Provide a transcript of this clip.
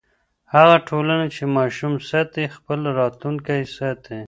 هغه ټولنه چې ماشوم ساتي، خپل راتلونکی ساتي.